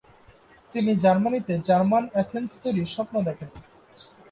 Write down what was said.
তিনি জার্মানিতে "German Athens" তৈরির স্বপ্ন দেখেন।